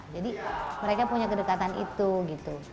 jadi mereka punya kedekatan itu gitu